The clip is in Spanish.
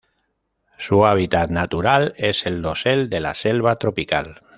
Su hábitat natural es el dosel de la selva tropical.